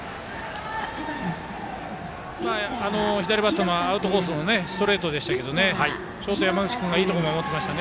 左バッターのアウトコースのストレートでしたけどショート山口君がいいところ守っていました。